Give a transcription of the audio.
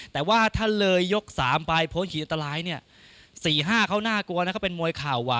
แต่ว่าถ้าเลยยก๓ไปพ้นขีดอันตรายเนี่ย๔๕เขาน่ากลัวนะเขาเป็นมวยเข่า